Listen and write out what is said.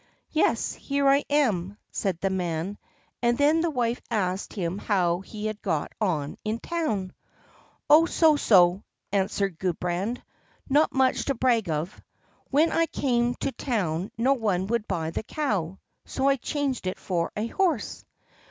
"Yes, here I am!" said the man. And then the wife asked him how he had got on in town. "Oh, so so," answered Gudbrand. "Not much to brag of. When I came to town no one would buy the cow, so I changed it for a horse."